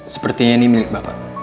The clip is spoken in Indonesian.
sepertinya ini milik bapak